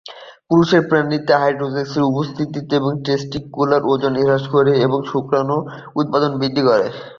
পুরুষ প্রাণীতে ইস্ট্রোজেনের উপস্থিতি টেস্টিকুলার ওজন হ্রাস করে এবং শুক্রাণু উৎপাদন হ্রাস করে।